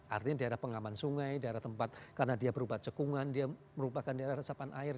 artinya daerah pengaman sungai daerah tempat karena dia berubah cekungan dia merupakan daerah resapan air